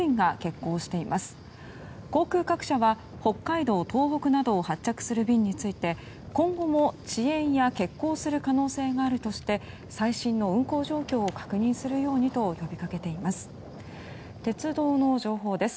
航空各社は北海道、東北などを発着する便について今後も遅延や欠航する可能性があるとして最新の運航状況を確認するようにと呼びかけています。